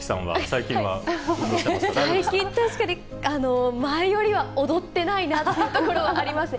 最近、確かに前よりは踊ってないなっていうところはあります。